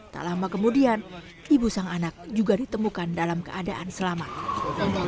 tak lama kemudian tim sar dan tim medis juga berhasil menemukan sejumlah anak yang terjebak di antara puing beton